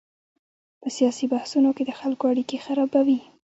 په سیاسي بحثونو کې د خلکو اړیکې خرابوي.